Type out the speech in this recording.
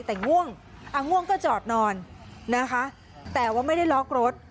แต่ง่วงอ่ะง่วงก็จอดนอนนะคะแต่ว่าไม่ได้ล็อกรถ